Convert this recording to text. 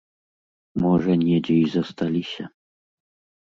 Можа, недзе і засталіся.